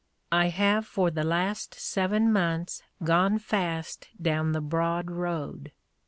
"I have for the last seven months gone fast down the broad road.